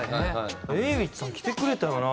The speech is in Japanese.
Ａｗｉｃｈさん来てくれたよな。